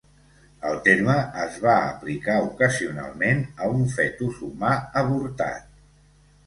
El terme es va aplicar ocasionalment a un fetus humà avortat.